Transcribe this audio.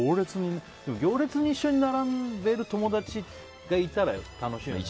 でも、行列に一緒に並んでる友達がいたら楽しいよね。